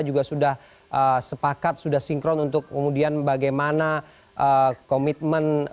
juga sudah sepakat sudah sinkron untuk kemudian bagaimana komitmen